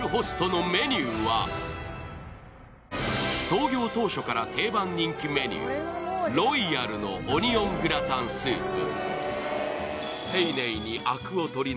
創業当初から定番人気メニュー、ロイヤルのオニオングラタンスープ。